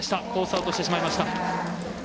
アウトしてしまいました。